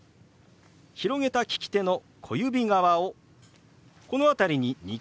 広げた利き手の小指側をこの辺りに２回当てます。